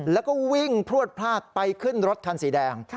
แล้วก็วิ่งพลวดพลาดไปขึ้นรถคันสีแดง